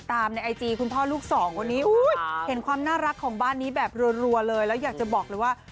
แต่ผมก็เพราะจะบอกเลยว่า